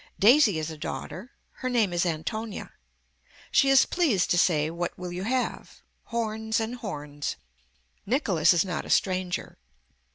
Daisy is a daughter. Her name is Antonia. She is pleased to say what will you have. Horns and horns. Nicholas is not a stranger.